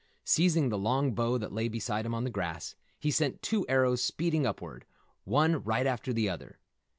Seizing the long bow that lay beside him on the grass, he sent two arrows speeding upward, one right after the other.